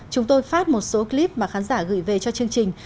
chúng tôi phát một số clip mà khán giả gửi về cho chương trình